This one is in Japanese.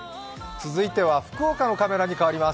続いては福岡のカメラに変わります。